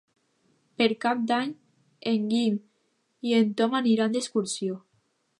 Per Cap d'Any en Guim i en Tom aniran d'excursió.